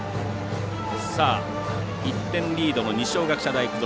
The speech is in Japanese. １点リードの二松学舎大付属。